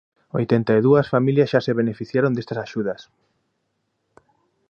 Oitenta e dúas familias xa se beneficiaron destas axudas.